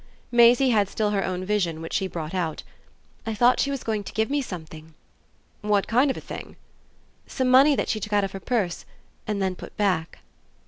Maisie had still her own vision, which she brought out. "I thought she was going to give me something." "What kind of a thing?" "Some money that she took out of her purse and then put back."